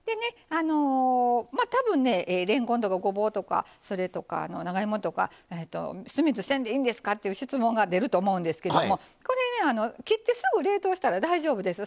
あのまあ多分れんこんとかごぼうとかそれとか長芋とか酢水せんでいいんですか？っていう質問が出ると思うんですけどもこれね切ってすぐ冷凍したら大丈夫です。